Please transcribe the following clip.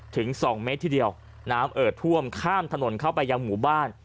ถึงสองเมตรทีเดียวน้ำเอิดท่วมข้ามถนนเข้าไปยังหมู่บ้าน